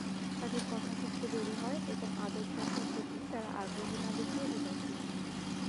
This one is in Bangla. তাদের কথা শিখতে দেরি হয় এবং আদরযত্নের প্রতি তারা আগ্রহ না দেখিয়ে উদাসীন হয়।